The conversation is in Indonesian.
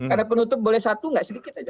karena penutup boleh satu nggak sedikit aja